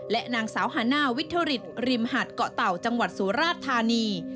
และนางสาวฮาน่าวิทริตริมหาดเกาะเต่าจังหวัดสุราชธานี